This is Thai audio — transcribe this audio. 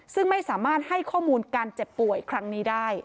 ซึ่งไม่สามารถให้ข้อมูลการเจ็บป่วยครั้งนี้ได้